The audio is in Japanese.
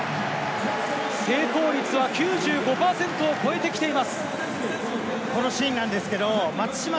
成功率は９５％を超えてきています！